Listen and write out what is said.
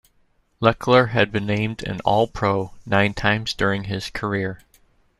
Lechler has been named an All-Pro nine times during his career.